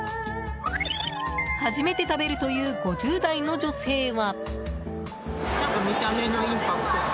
初めて食べるという５０代の女性は。